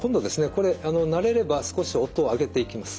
これ慣れれば少し音を上げていきます。